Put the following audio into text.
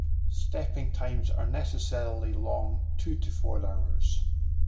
Steeping times are necessarily long, two to four hours.